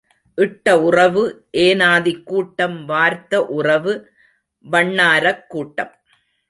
இட்ட உறவு ஏனாதிக்கூட்டம் வார்த்த உறவு வண்ணாரக் கூட்டம்.